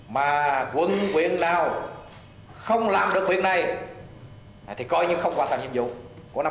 mà quân quyền nào không làm được quyền này thì coi như không hoàn thành nhiệm vụ của năm hai nghìn một mươi bảy